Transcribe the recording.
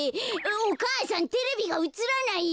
お母さんテレビがうつらないよ。